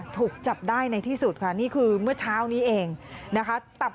ถูกจับได้ในที่สุดค่ะนี่คือเมื่อเช้านี้เองนะคะ